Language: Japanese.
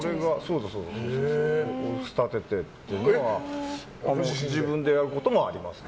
たててっていうのは自分でやることもありますね。